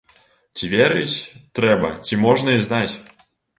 Ці верыць трэба, ці можна і знаць?